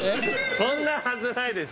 そんなはずないでしょ